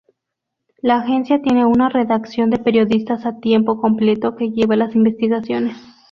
La agencia tienen una redacción de periodistas a tiempo completo que lleva las investigaciones.